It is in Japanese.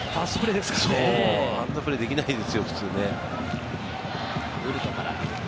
あんなプレーできないですよ。